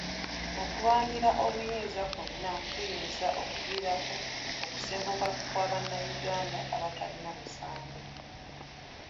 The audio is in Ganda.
Okulwanira obuyinza kwonna kuyinza okuviirako okusenguka kwa bannayuganda abatalina musango.